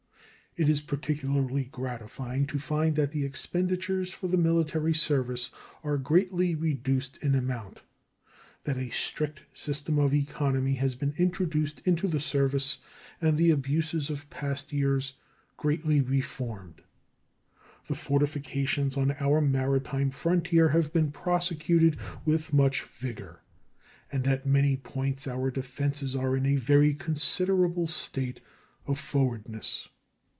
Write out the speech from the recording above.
It is particularly gratifying to find that the expenditures for the military service are greatly reduced in amount that a strict system of economy has been introduced into the service and the abuses of past years greatly reformed. The fortifications on our maritime frontier have been prosecuted with much vigor, and at many points our defenses are in a very considerable state of forwardness.